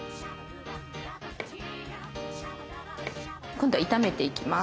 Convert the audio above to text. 今度は炒めていきます。